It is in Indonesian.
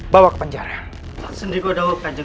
baik ganjeng sunan